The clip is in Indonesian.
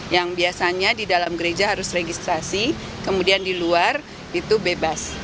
yang biasanya di dalam gereja harus registrasi kemudian di luar itu bebas